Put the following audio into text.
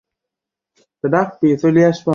তুমি — সেবাস্তিয়ান নামে একজনের কথা মনে আছে?